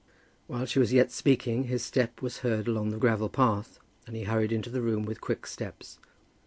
While she was yet speaking his step was heard along the gravel path, and he hurried into the room with quick steps.